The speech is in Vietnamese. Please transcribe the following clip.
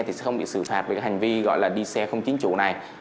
thì sẽ bị xử phạt về cái hành vi gọi là đi xe không chính chủ này